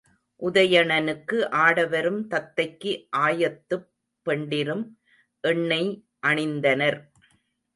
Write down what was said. உதயணனுக்கு ஆடவரும் தத்தைக்கு ஆயத்துப் பெண்டிரும் எண்ணெய் அணிந்தனர்.